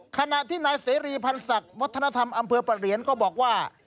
ขณะที่นายเสรีพันธ์ศักดิ์วัฒนธรรมอำเภอประเหรียญก็บอกว่า